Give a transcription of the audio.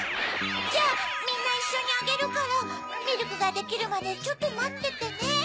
じゃあみんないっしょにあげるからミルクができるまでちょっとまっててね。